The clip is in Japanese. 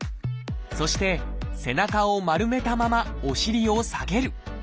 そして背中を丸めたままお尻を下げる。